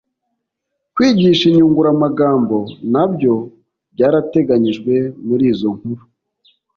kwigisha inyunguramagambo na byo byarateganyijwe muri izo nkuru